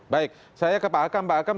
baik saya ke pak akam